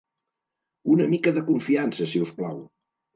Una mica de confiança, si us plau.